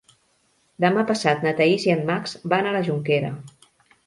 Demà passat na Thaís i en Max van a la Jonquera.